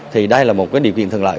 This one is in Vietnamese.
thì đây là một điều kiện thường lợi